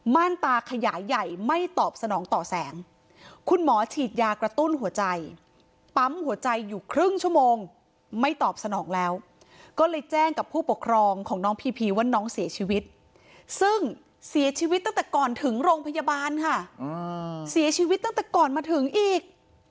่านตาขยายใหญ่ไม่ตอบสนองต่อแสงคุณหมอฉีดยากระตุ้นหัวใจปั๊มหัวใจอยู่ครึ่งชั่วโมงไม่ตอบสนองแล้วก็เลยแจ้งกับผู้ปกครองของน้องพีพีว่าน้องเสียชีวิตซึ่งเสียชีวิตตั้งแต่ก่อนถึงโรงพยาบาลค่ะเสียชีวิตตั้งแต่ก่อนมาถึงอีก